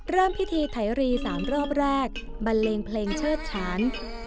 เริ่มพิธีไถรี๓รอบแรกบันเลงเพลงเชิดฉาน